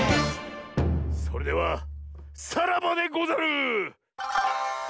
それではさらばでござる！